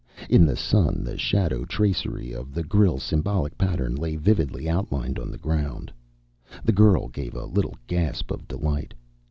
In the sun the shadow tracery of the grille's symbolic pattern lay vividly outlined on the ground. The girl gave a little gasp of delight.